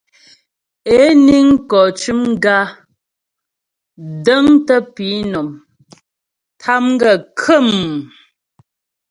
É niŋ mkɔ cʉm gǎ, dəŋtə pǐnɔm, tâm gaə́ khə̌mmm.